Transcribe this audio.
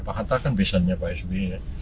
pak hatta kan besannya pak sby ya